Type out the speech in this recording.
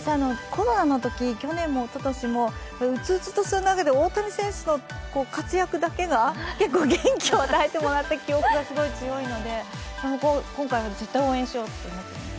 コロナのとき、去年もおととしもうつうつとする中で大谷選手の活躍だけが結構、元気を与えてもらった記憶がすごい強いので今回、絶対応援しようって思ってますね。